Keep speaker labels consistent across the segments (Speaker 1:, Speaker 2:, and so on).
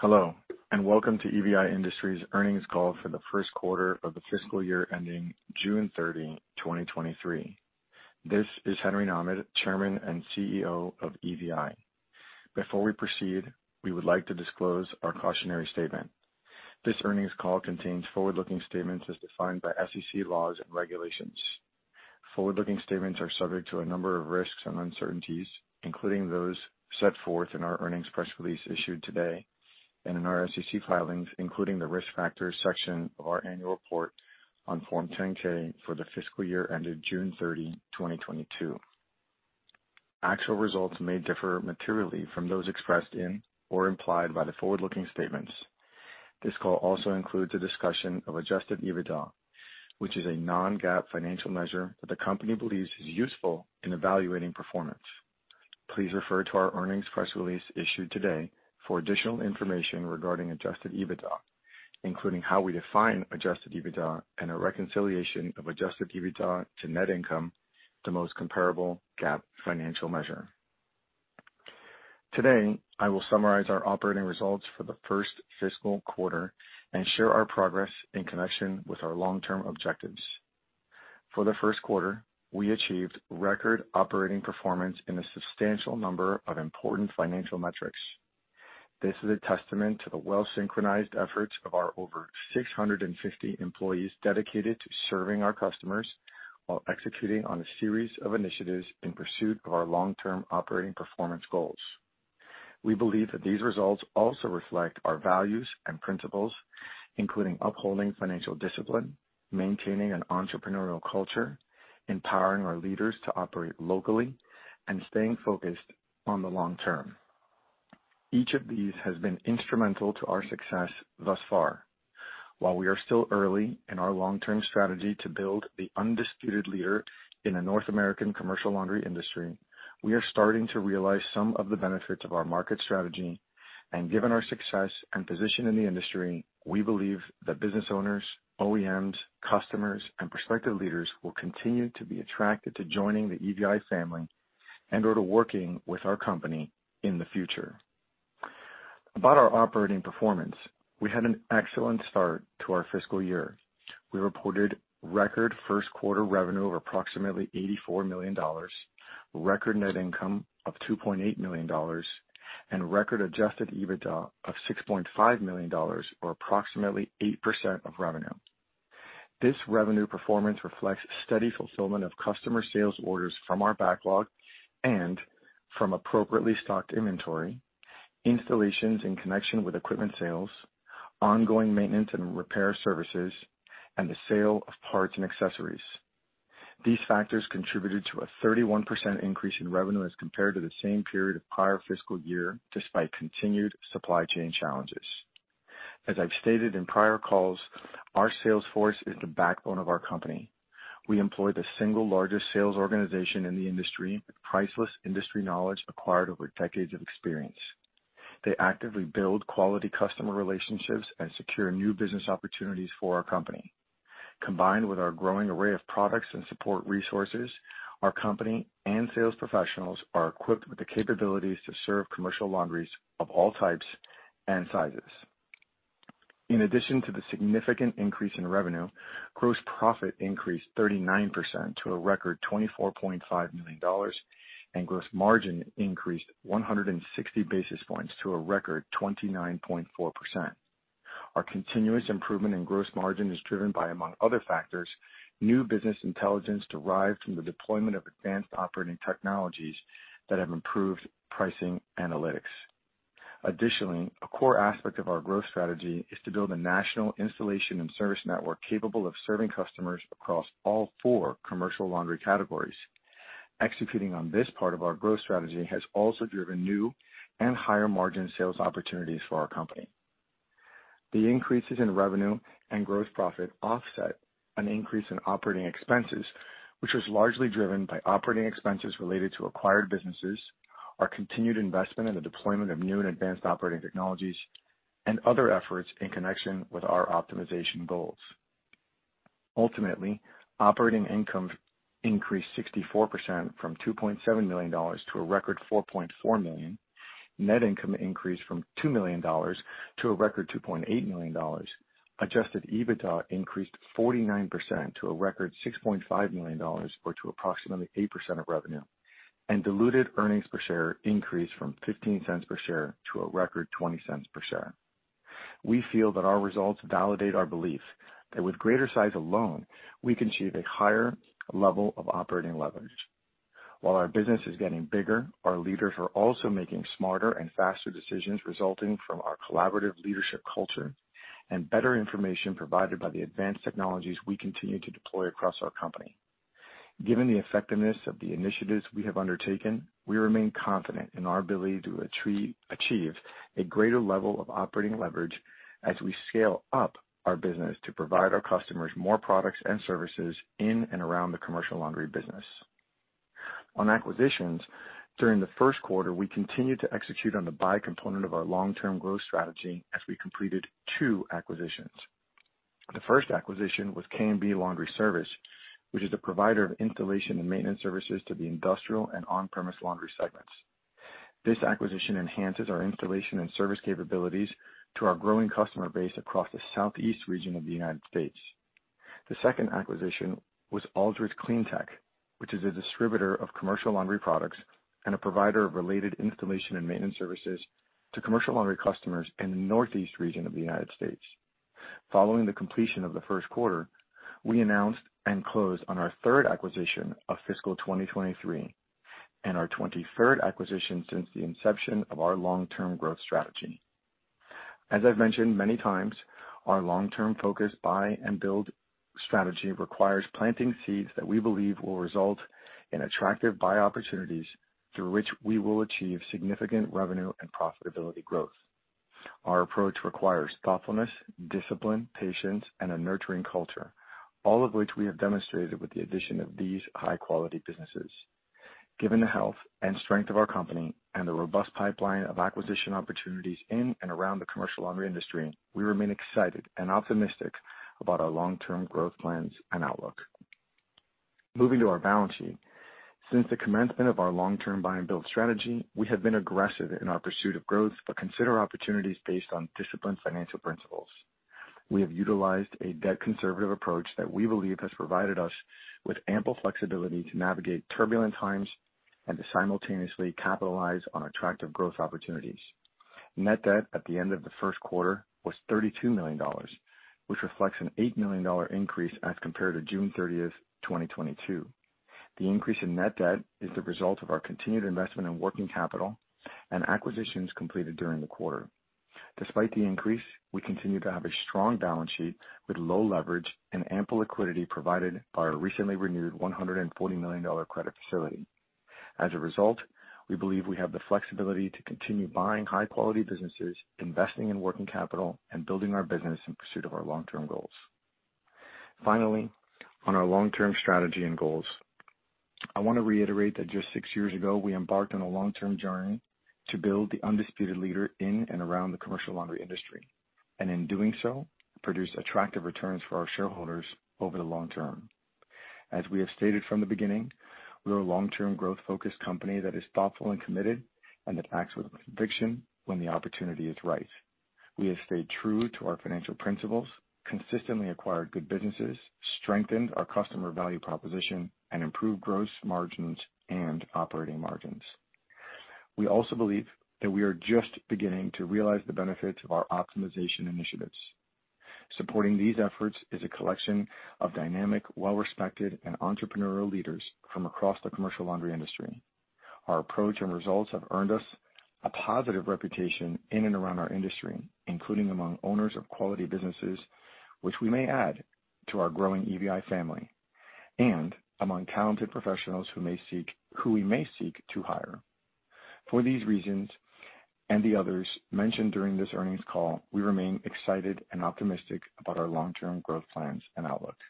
Speaker 1: Hello, and welcome to EVI Industries' Earnings Call for the First Quarter of the Fiscal Year ending June 30, 2023. This is Henry M. Nahmad, Chairman and CEO of EVI. Before we proceed, we would like to disclose our cautionary statement. This earnings call contains forward-looking statements as defined by SEC laws and regulations. Forward-looking statements are subject to a number of risks and uncertainties, including those set forth in our earnings press release issued today and in our SEC filings, including the Risk Factors section of our annual report on Form 10-K for the fiscal year ended June 30, 2022. Actual results may differ materially from those expressed in or implied by the forward-looking statements. This call also includes a discussion of Adjusted EBITDA, which is a non-GAAP financial measure that the company believes is useful in evaluating performance. Please refer to our earnings press release issued today for additional information regarding Adjusted EBITDA, including how we define Adjusted EBITDA and a reconciliation of Adjusted EBITDA to net income, the most comparable GAAP financial measure. Today, I will summarize our operating results for the first fiscal quarter and share our progress in connection with our long-term objectives. For the first quarter, we achieved record operating performance in a substantial number of important financial metrics. This is a testament to the well-synchronized efforts of our over 650 employees dedicated to serving our customers while executing on a series of initiatives in pursuit of our long-term operating performance goals. We believe that these results also reflect our values and principles, including upholding financial discipline, maintaining an entrepreneurial culture, empowering our leaders to operate locally, and staying focused on the long term. Each of these has been instrumental to our success thus far. While we are still early in our long-term strategy to build the undisputed leader in the North American commercial laundry industry, we are starting to realize some of the benefits of our market strategy. Given our success and position in the industry, we believe that business owners, OEMs, customers, and prospective leaders will continue to be attracted to joining the EVI family and/or to working with our company in the future. About our operating performance, we had an excellent start to our fiscal year. We reported record first quarter revenue of approximately $84 million, record net income of $2.8 million, and record Adjusted EBITDA of $6.5 million or approximately 8% of revenue. This revenue performance reflects steady fulfillment of customer sales orders from our backlog and from appropriately stocked inventory, installations in connection with equipment sales, ongoing maintenance and repair services, and the sale of parts and accessories. These factors contributed to a 31% increase in revenue as compared to the same period of prior fiscal year, despite continued supply chain challenges. As I've stated in prior calls, our sales force is the backbone of our company. We employ the single largest sales organization in the industry with priceless industry knowledge acquired over decades of experience. They actively build quality customer relationships and secure new business opportunities for our company. Combined with our growing array of products and support resources, our company and sales professionals are equipped with the capabilities to serve commercial laundries of all types and sizes. In addition to the significant increase in revenue, gross profit increased 39% to a record $24.5 million, and gross margin increased 160 basis points to a record 29.4%. Our continuous improvement in gross margin is driven by, among other factors, new business intelligence derived from the deployment of advanced operating technologies that have improved pricing analytics. Additionally, a core aspect of our growth strategy is to build a national installation and service network capable of serving customers across all four commercial laundry categories. Executing on this part of our growth strategy has also driven new and higher margin sales opportunities for our company. The increases in revenue and gross profit offset an increase in operating expenses, which was largely driven by operating expenses related to acquired businesses, our continued investment in the deployment of new and advanced operating technologies, and other efforts in connection with our optimization goals. Ultimately, operating income increased 64% from $2.7 million to a record $4.4 million. Net income increased from $2 million to a record $2.8 million. Adjusted EBITDA increased 49% to a record $6.5 million, or to approximately 8% of revenue. Diluted earnings per share increased from $0.15 per share to a record $0.20 per share. We feel that our results validate our belief that with greater size alone, we can achieve a higher level of operating leverage. While our business is getting bigger, our leaders are also making smarter and faster decisions resulting from our collaborative leadership culture and better information provided by the advanced technologies we continue to deploy across our company. Given the effectiveness of the initiatives we have undertaken, we remain confident in our ability to achieve a greater level of operating leverage as we scale up our business to provide our customers more products and services in and around the commercial laundry business. On acquisitions, during the first quarter, we continued to execute on the buy component of our long-term growth strategy as we completed two acquisitions. The first acquisition was K&B Laundry Service, which is a provider of installation and maintenance services to the industrial and on-premise laundry segments. This acquisition enhances our installation and service capabilities to our growing customer base across the Southeast region of the United States. The second acquisition was Aldridge CleanTech, which is a distributor of commercial laundry products and a provider of related installation and maintenance services to commercial laundry customers in the Northeast region of the United States. Following the completion of the first quarter, we announced and closed on our third acquisition of fiscal 2023, and our 23rd acquisition since the inception of our long-term growth strategy. As I've mentioned many times, our long-term focus buy and build strategy requires planting seeds that we believe will result in attractive buy opportunities through which we will achieve significant revenue and profitability growth. Our approach requires thoughtfulness, discipline, patience, and a nurturing culture, all of which we have demonstrated with the addition of these high-quality businesses. Given the health and strength of our company and the robust pipeline of acquisition opportunities in and around the commercial laundry industry, we remain excited and optimistic about our long-term growth plans and outlook. Moving to our balance sheet. Since the commencement of our long-term buy and build strategy, we have been aggressive in our pursuit of growth, but consider opportunities based on disciplined financial principles. We have utilized a debt conservative approach that we believe has provided us with ample flexibility to navigate turbulent times and to simultaneously capitalize on attractive growth opportunities. Net debt at the end of the first quarter was $32 million, which reflects an $8 million increase as compared to June thirtieth, 2022. The increase in net debt is the result of our continued investment in working capital and acquisitions completed during the quarter. Despite the increase, we continue to have a strong balance sheet with low leverage and ample liquidity provided by our recently renewed $140 million credit facility. As a result, we believe we have the flexibility to continue buying high-quality businesses, investing in working capital, and building our business in pursuit of our long-term goals. Finally, on our long-term strategy and goals, I want to reiterate that just six years ago, we embarked on a long-term journey to build the undisputed leader in and around the commercial laundry industry, and in doing so, produce attractive returns for our shareholders over the long term. As we have stated from the beginning, we are a long-term growth-focused company that is thoughtful and committed and that acts with conviction when the opportunity is right. We have stayed true to our financial principles, consistently acquired good businesses, strengthened our customer value proposition, and improved gross margins and operating margins. We also believe that we are just beginning to realize the benefits of our optimization initiatives. Supporting these efforts is a collection of dynamic, well-respected, and entrepreneurial leaders from across the commercial laundry industry. Our approach and results have earned us a positive reputation in and around our industry, including among owners of quality businesses, which we may add to our growing EVI family, and among talented professionals who we may seek to hire. For these reasons, and the others mentioned during this earnings call, we remain excited and optimistic about our long-term growth plans and outlooks.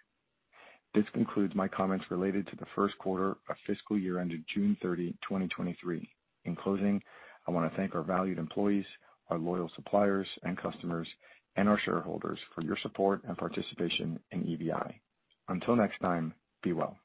Speaker 1: This concludes my comments related to the first quarter of fiscal year ended June 30, 2023. In closing, I wanna thank our valued employees, our loyal suppliers and customers, and our shareholders for your support and participation in EVI. Until next time, be well.